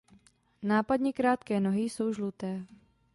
Nápadně krátké nohy jsou žluté.